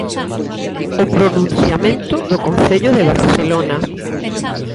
O pronunciamento do concello de Barcelona.